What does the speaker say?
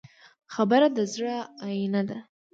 خبره د زړه آیینه ده.